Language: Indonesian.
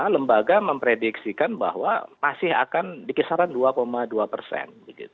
lembaga memprediksikan bahwa masih akan di kisaran dua dua persen